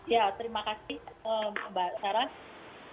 ya terima kasih mbak sarah